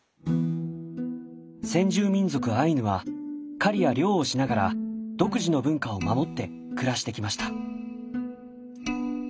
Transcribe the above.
先住民族アイヌは狩りや漁をしながら独自の文化を守って暮らしてきました。